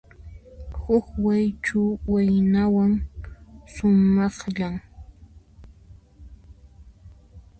Huk Waychu waynawan, sumaqllan.